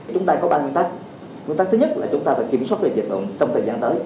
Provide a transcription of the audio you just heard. chúng ta có ba nguyên tắc nguyên tắc thứ nhất là chúng ta phải kiểm soát được dịch bệnh trong thời gian tới